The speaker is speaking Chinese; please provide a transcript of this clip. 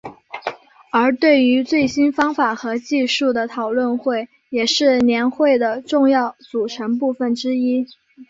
而对于最新方法和技术的讨论会也是年会的重要组成部分之一。